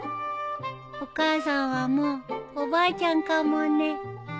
お母さんはもうおばあちゃんかもね。